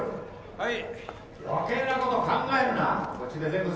はい。